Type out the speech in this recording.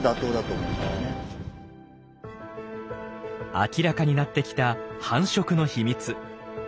明らかになってきた繁殖の秘密。